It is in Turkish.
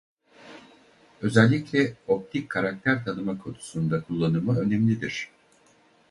Özellikle optik karakter tanıma konusunda kullanımı önemlidir.